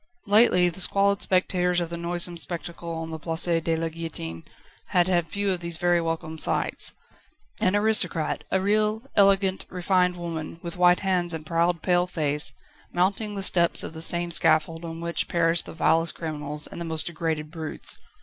Lately the squalid spectators of the noisome spectacle on the Place de la Guillotine had had few of these very welcome sights: an aristocrat a real, elegant, refined woman, with white hands and proud, pale face mounting the steps of the same scaffold on which perished the vilest criminals and most degraded brutes.